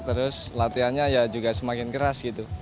terus latihannya ya juga semakin keras gitu